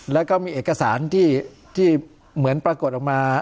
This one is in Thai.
แล้วก็มีเอกสารที่เหมือนปรากฏออกมา